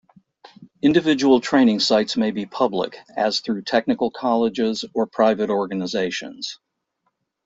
Individual training sites may be public, as through technical colleges, or private organizations.